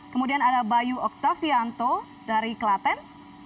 kemudian ada bayu oktavianto dari klaten